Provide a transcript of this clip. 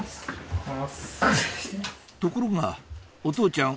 ところがお父ちゃん